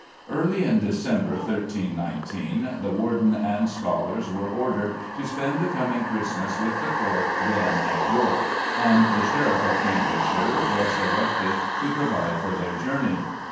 Early in December 1319, the warden and scholars were ordered to spend the coming Christmas with the court, then at York, and the sheriff of Cambridgeshire was directed to provide for their journey.